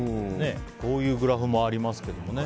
こういうグラフもありますけど。